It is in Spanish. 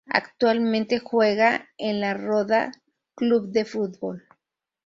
Actualmente juega en el La Roda Club de Fútbol.